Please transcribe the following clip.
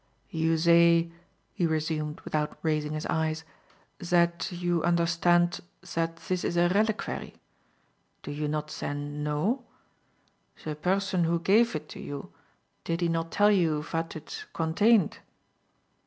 "You zay," he resumed without raising his eyes, "zat you understandt zat zis is a reliquary. Do you not zen know? Ze berson who gafe it to you, did he not tell you vat it gondained?"